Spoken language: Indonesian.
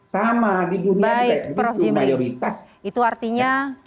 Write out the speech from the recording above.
sama di dunia itu mayoritas